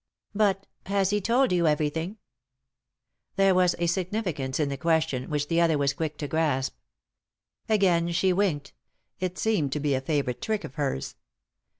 " But — has he told you everything ?" There was a significance in the question which the other was quick to grasp Again she winked — it seemed to be a favourite trick of hers.